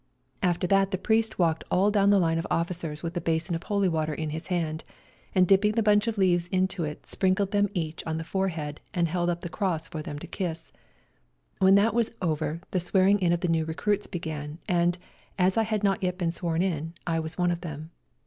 After that the priest walked all down the line of officers with the basin of holy water in his hand, and dipping the bunch of leaves into it sprinkled them each on the forehead and held up the cross for them to kiss ; when that was over the swearing in of the new recruits began, and, as I had not yet been sworn in, I was one of them.